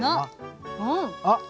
あっ。